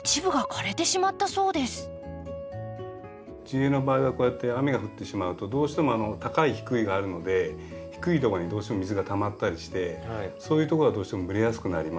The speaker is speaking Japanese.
地植えの場合はこうやって雨が降ってしまうとどうしても高い低いがあるので低いとこにどうしても水がたまったりしてそういうとこがどうしても蒸れやすくなりますね。